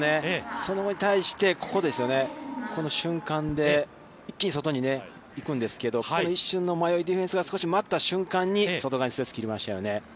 それに対してこの瞬間で一気に外に行くんですけれども、ここで一瞬の迷い、少しディフェンスが待った隙に外側にスペースを切りましたね。